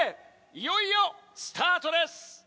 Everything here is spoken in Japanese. いよいよスタートです。